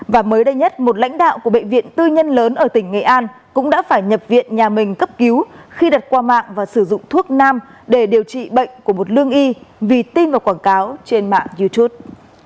và mới đây nhất một lãnh đạo của bệnh viện tư nhân lớn ở tỉnh nghệ an cũng đã phải nhập viện nhà mình cấp cứu khi đặt qua mạng và sử dụng thuốc nam để điều trị bệnh của một lương y vì tin vào quảng cáo trên mạng youtube